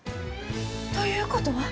ということは？